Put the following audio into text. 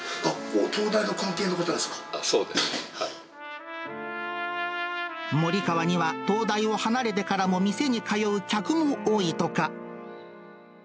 もり川には東大を離れてからも店に通う客も多いとか。